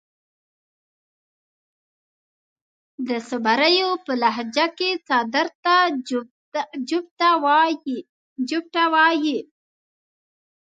د صبريو پۀ لهجه کې څادر ته جوبټه وايي.